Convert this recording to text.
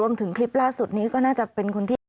รวมถึงคลิปล่าสุดนี้ก็น่าจะเป็นคุณที่